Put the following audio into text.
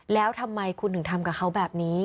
แล้วทำไมคุณถึงทำกับเขาแบบนี้